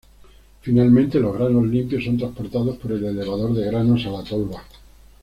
Finalmente los granos limpios son transportados por el elevador de granos a la tolva.